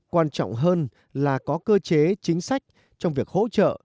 quan trọng hơn là có cơ chế chính sách trong việc hỗ trợ